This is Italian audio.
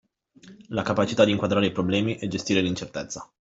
La capacità di inquadrare i problemi e gestire l’incertezza